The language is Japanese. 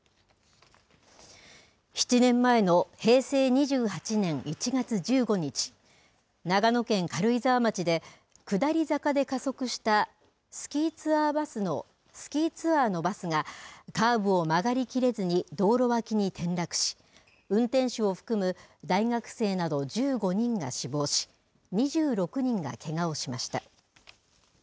７年前の平成２８年１月１５日長野県軽井沢町で下り坂で加速したスキーツアーのバスがカーブを曲がりきれずに道路脇に転落し運転手を含む大学生など１５人が死亡し２６人が、けがをしました。